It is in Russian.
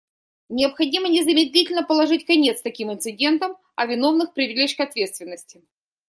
Необходимо незамедлительно положить конец таким инцидентам, а виновных привлечь к ответственности.